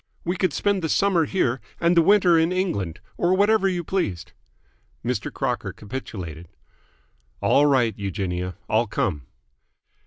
We could spend the summer here and the winter in England, or whatever you pleased." Mr. Crocker capitulated. "All right, Eugenia. I'll come."